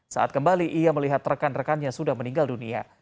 saat kembali ia melihat rekan rekannya sudah meninggal dunia